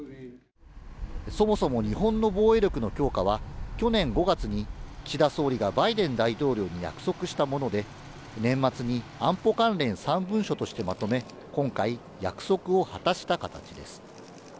そもそも日本の防衛力の強化は去年５月に岸田総理がバイデン大統領に約束したもので、年末に安保関連３文書としてまとめ、今回、約束を果たした形です。